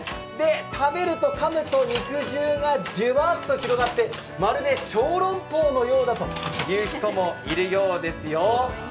食べると、かむと肉汁がじゅわっと広がって、まるで小籠包のようだと言う人もいるようですよ。